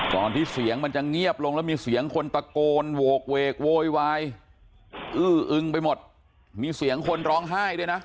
ที่เสียงมันจะเงียบลงแล้วมีเสียงคนตะโกนโหกเวกโวยวายอื้ออึงไปหมดมีเสียงคนร้องไห้ด้วยนะ